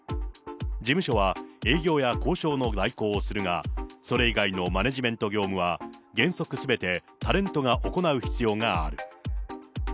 事務所は営業や交渉の代行をするが、それ以外のマネジメント業務は、原則すべてタレントが行う必要がある。